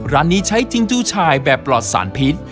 ร้านนี้ใช้ทิ้งเจ้าชายแบบปลอดสารพิษ